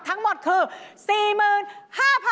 ทั้งหมดคือ๔๕๐๐บาท